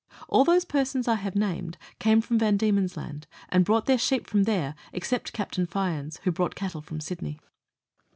All those persons I have named came from V. D. Land, and brought their sheep from there, except Capt. Fyans, who brought cattle from Sydney.